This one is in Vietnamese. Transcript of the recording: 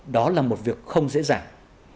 đó là một việc không dễ dàng